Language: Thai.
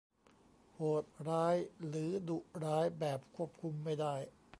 โหดร้ายหรือดุร้ายแบบควบคุมไม่ได้